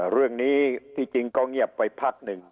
เรื่องนี้ที่จริงก็เงียบไปพักหนึ่ง